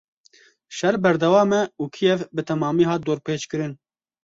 Şer berdewam e û Kîev bi temamî hat dorpêçkirin.